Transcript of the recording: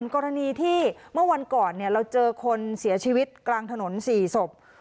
กรณีที่เมื่อวันก่อนเราเจอคนเสียชีวิตกลางถนน๔ศพ